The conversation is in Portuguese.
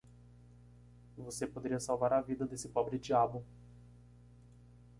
Você poderia salvar a vida desse pobre diabo.